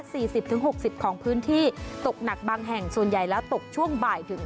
สิบถึงหกสิบของพื้นที่ตกหนักบางแห่งส่วนใหญ่แล้วตกช่วงบ่ายถึง